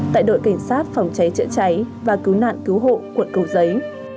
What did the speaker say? tại đội cảnh sát phòng cháy chữa cháy và cứu nạn cứu hộ quận cầu giấy